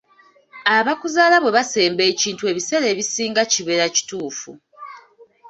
Abakuzaala bwe basemba ekintu ebiseera ebisinga kibeeera kituufu.